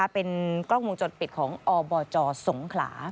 เป็นกล้องวงจรปิดของอบจสงขลา